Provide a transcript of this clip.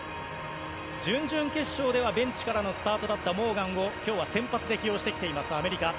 準々決勝ではベンチからのスタートだったモーガンを今日は先発で起用してきていますアメリカ。